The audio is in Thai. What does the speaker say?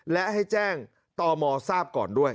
และให้แจ้งตมทราบก่อนด้วย